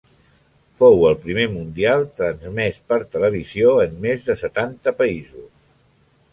Fou el primer Mundial transmès per televisió en més de setanta països.